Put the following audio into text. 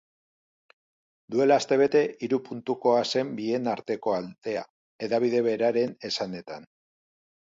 Duela astebete hiru puntukoa zen bien artekoa aldea, hedabide beraren esanetan.